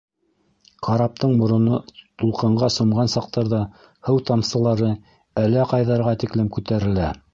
Караптың мороно тулҡынға сумған саҡтарҙа һыу тамсылары әлә ҡайҙарға тиклем күтәрелә.